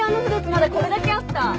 まだこれだけあった。